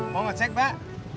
mau ngecek bak